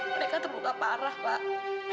mereka terluka parah pak